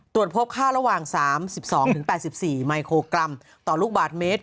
ตรวจพบค่าระหว่าง๓๒๘๔มิโครกรัมต่อลูกบาทเมตร